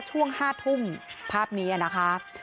ช่วง๕ทุ่มภาพนี้นะคะ